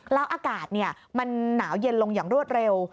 แล้วอากาศมันหนาวเย็นลงอย่างรวดเร็ว